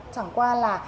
chẳng qua là